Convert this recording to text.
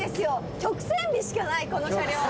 曲線美しかない、この車両は。